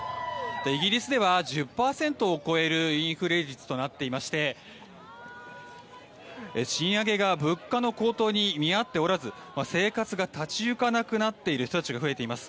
イギリスでは１０％を超えるインフレ率となっていまして賃上げが物価の高騰に見合っておらず生活が立ち行かなくなっている人たちが増えています。